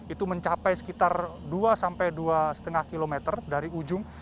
itu mencapai sekitar dua sampai dua lima km dari ujung